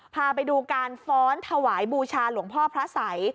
พาไปดูการฟ้อนถวายบูชาหลวงพ่อพระสัย